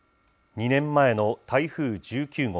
２年前の台風１９号。